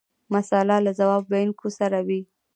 مساله له ځواب ویونکي سره وي.